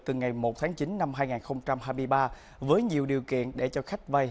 từ ngày một tháng chín năm hai nghìn hai mươi ba với nhiều điều kiện để cho khách vay